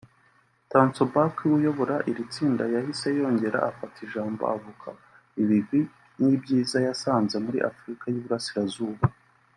Tansoback uyobora iri tsinda yahise yongera afata ijambo avuga ibigwi n’ibyiza yasanze muri Afurika y’Uburasirazuba